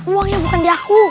uangnya bukan di aku